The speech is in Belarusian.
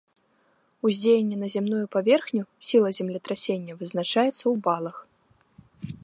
Уздзеянне на зямную паверхню, сіла землетрасення, вызначаецца ў балах.